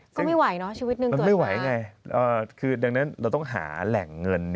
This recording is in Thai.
ก็ไม่ไหวเนอะชีวิตหนึ่งก็คือไม่ไหวไงคือดังนั้นเราต้องหาแหล่งเงิน